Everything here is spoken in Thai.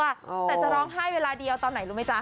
แต่จะร้องไห้เวลาเดียวตอนไหนรู้ไหมจ๊ะ